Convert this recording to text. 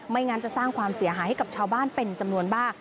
งั้นจะสร้างความเสียหายให้กับชาวบ้านเป็นจำนวนมาก